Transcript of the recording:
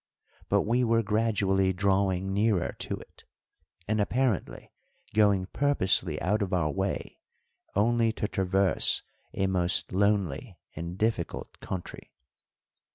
But we were gradually drawing nearer to it, and apparently going purposely out of our way only to traverse a most lonely and difficult country.